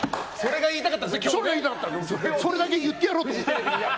それだけ言ってやろうと思って。